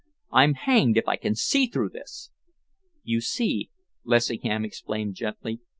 "I'm hanged if I can see through this!" "You see," Lessingham explained gently.